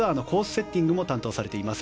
セッティングも担当されています